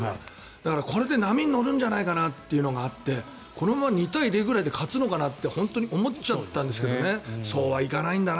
だから、これで波に乗るんじゃないかっていうのがあってこのまま２対０くらいで勝っちゃうんじゃないかって本当に思っちゃったんですけどそうはいかないんだな